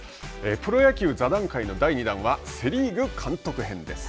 プロ野球座談会の第２弾はセ・リーグ監督編です。